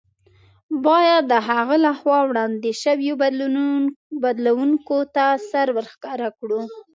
باید د هغه له خوا وړاندې شویو بدلوونکو ته سر ورښکاره کړو.